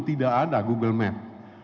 tidak ada google map